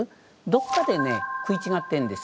どっかでね食い違ってんですよ。